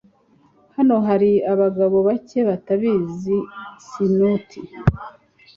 Hano hari abagabo bake batabizi Snout